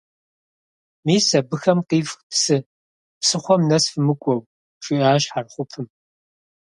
«Мис абыхэм къифх псы, псыхъуэм нэс фымыкӀуэу», - жиӀащ Хьэрхъупым.